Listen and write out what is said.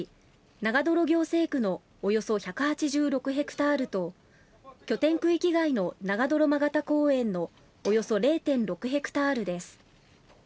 長泥行政区のおよそ１８６ヘクタールと拠点区域外の長泥曲田公園のおよそ０．６ヘクタールです。